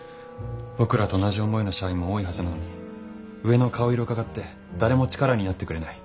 僕らと同じ思いの社員も多いはずなのに上の顔色うかがって誰も力になってくれない。